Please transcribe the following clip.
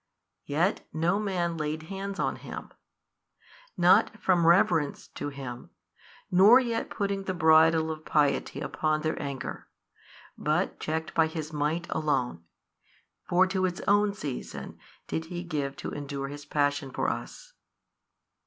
Yet no man laid hands on Him, not from reverence to Him, nor yet putting the bridle of piety upon their anger, but checked by His Might alone (for to its own season did He give to endure His Passion for us).